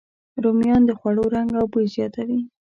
رومیان د خوړو رنګ او بوی زیاتوي